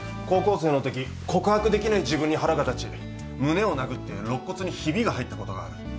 高校生のとき告白できない自分に腹が立ち胸を殴ってろっ骨にひびが入ったことがある。